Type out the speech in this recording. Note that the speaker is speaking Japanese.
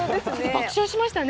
爆笑しましたね。